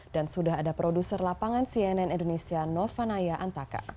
dan sudah ada produser lapangan cnn indonesia notifikasi